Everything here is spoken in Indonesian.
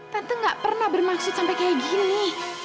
tante gak pernah bermaksud sampai kayak gini